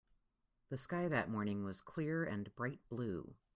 The sky that morning was clear and bright blue.